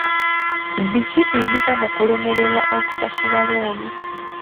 Biki ebiva mu kulemererwa okusasula looni?